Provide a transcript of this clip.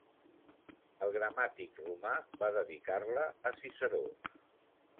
El gramàtic romà va dedicar-la a Ciceró.